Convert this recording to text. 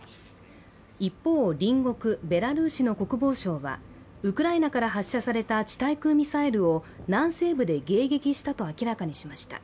一方、隣国ベラルーシの国防省はウクライナから発射された地対空ミサイルを南西部で迎撃したと明らかにしました。